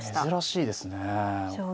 珍しいですね。